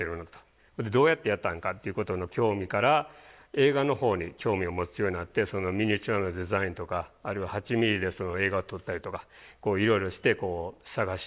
それでどうやってやったんかっていうことの興味から映画のほうに興味を持つようになってそのミニチュアのデザインとかあるいは８ミリで映画を撮ったりとかいろいろして探してました。